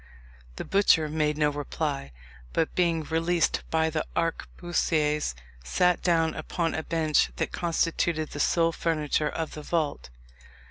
The butcher made no reply, but being released by the arquebusiers, sat down upon a bench that constituted the sole furniture of the vault.